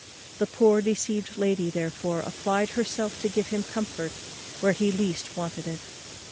The poor deceived lady, therefore, applied herself to give him comfort where he least wanted it.